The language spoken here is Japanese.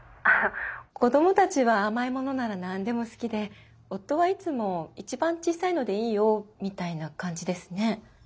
子供たちは甘いものなら何でも好きで夫はいつも「一番小さいのでいいよ」みたいな感じですね。